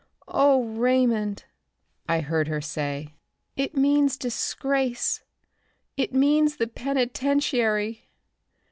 "Oh, Raymond!" I heard her say. "It means disgrace. It means the penitentiary."